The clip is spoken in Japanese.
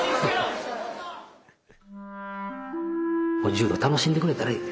柔道楽しんでくれたらいい。